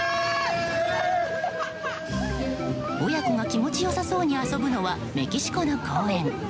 親子が気持ちよさそうに遊ぶのはメキシコの公園。